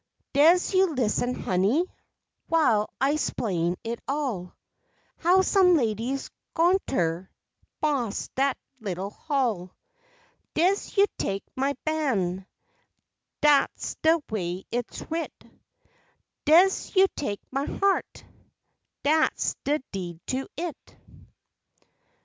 Des you listen, Honey, While I 'splain it all, How some lady's go'nter Boss dat little hall; Des you take my ban' Dat's de way it's writ, Des you take my heart, Dat's de deed to it.